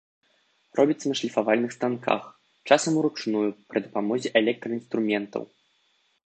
Робіцца на шліфавальных станках, часам уручную пры дапамозе электраінструментаў.